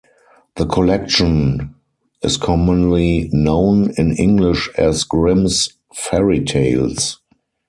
The collection is commonly known in English as Grimms' Fairy Tales.